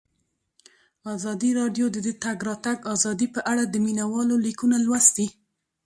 ازادي راډیو د د تګ راتګ ازادي په اړه د مینه والو لیکونه لوستي.